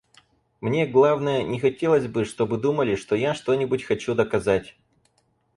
Мне, главное, не хотелось бы, чтобы думали, что я что-нибудь хочу доказать.